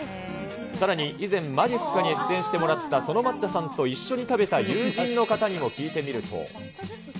さらに、以前、まじっすかに出演してもらったそのまっちゃさんと一緒に食べた友人の方にも聞いてみると。